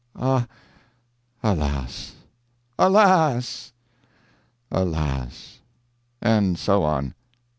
a alas! Alas! alas!" and so on.